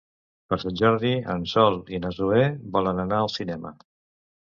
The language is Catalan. Per Sant Jordi en Sol i na Zoè volen anar al cinema.